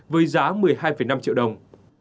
với giá một mươi hai năm triệu đồng